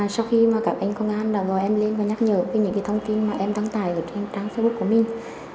sau khi các anh công an đã gọi em lên và nhắc nhở về những thông tin mà em đăng tải trên trang facebook của mình